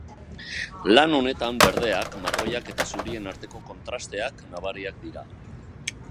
Lan honetan berdeak, marroiak eta zurien arteko kontrasteak nabariak dira.